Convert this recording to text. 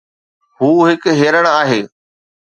هو هڪ هرڻ آهي